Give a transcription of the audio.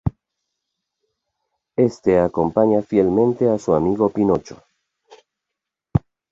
Este acompaña fielmente a su amigo Pinocho.